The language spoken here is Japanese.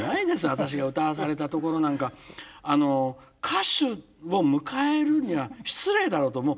私が歌わされたところなんか歌手を迎えるには失礼だろうと思う。